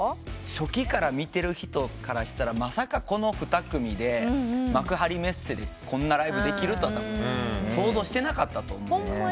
初期から見てる人からしたらまさかこの２組で幕張メッセでこんなライブできるとは想像してなかったと思うんです。